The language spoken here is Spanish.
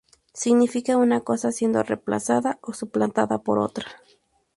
Significa una cosa siendo reemplazada o suplantada por otra.